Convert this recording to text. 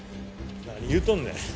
何言うとんねん。